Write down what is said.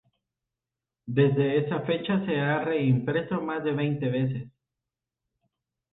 Desde esa fecha se ha reimpreso más de veinte veces.